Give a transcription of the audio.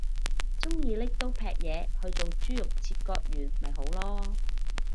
鍾意拎刀劈嘢去做豬肉切割員咪好囉